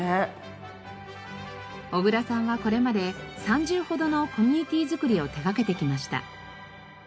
小倉さんはこれまで３０ほどのコミュニティ作りを手掛けてきました。